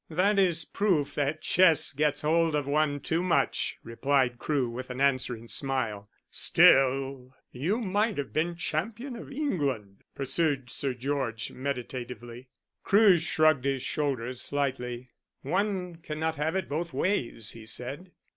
"That is proof that chess gets hold of one too much," replied Crewe, with an answering smile. "Still, you might have been champion of England," pursued Sir George meditatively. Crewe shrugged his shoulders slightly. "One cannot have it both ways," he said.